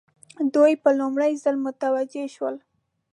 دوی په لومړي ځل متوجه شول.